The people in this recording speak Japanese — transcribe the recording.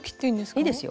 いいですよ。